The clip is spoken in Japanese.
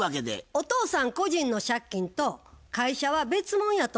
お父さん個人の借金と会社は別もんやと思うんです。